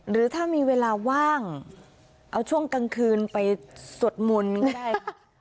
หรือถ้ามีเวลาว่างเอาช่วงกลางคืนไปสวดมนต์ก็ได้